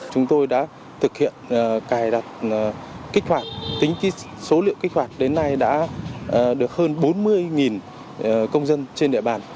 chúng tôi đã thực hiện cài đặt kích hoạt tính số liệu kích hoạt đến nay đã được hơn bốn mươi công dân trên địa bàn